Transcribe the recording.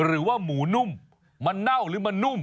หรือว่าหมูนุ่มมันเน่าหรือมันนุ่ม